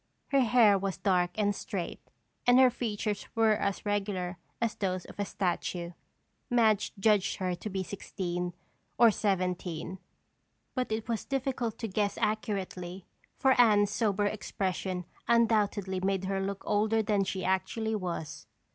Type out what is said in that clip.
Her hair was dark and straight and her features were as regular as those of a statue. Madge judged her to be sixteen or seventeen but it was difficult to guess accurately for Anne's sober expression undoubtedly made her look older than she actually was.